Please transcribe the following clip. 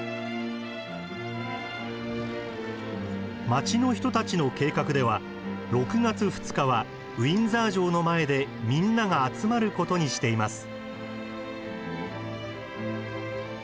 街の人たちの計画では６月２日はウィンザー城の前でみんなが集まることにしています。